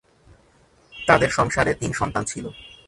তাদের সংসারে তিন সন্তান ছিল।